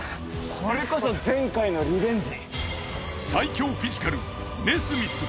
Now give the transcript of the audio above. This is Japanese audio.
これこそ前回のリベンジ。